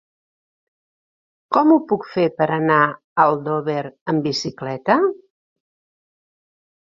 Com ho puc fer per anar a Aldover amb bicicleta?